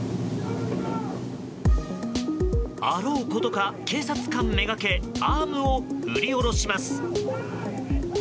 あろうことか、警察官目がけアームを振り下ろします。